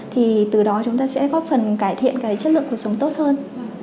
thì từ đó chúng ta sẽ có phần cải thiện cái chất lượng của sống tốt hơn